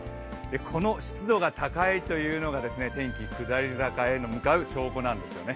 この湿度が高いというのが天気、下り坂へ向かう証拠なんですよね。